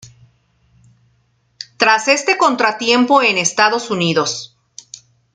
Tras este contratiempo en Estados Unidos.